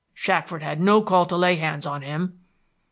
"Shackford had no call to lay hands on him."